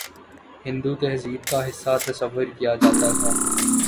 ہندو تہذیب کا حصہ تصور کیا جاتا تھا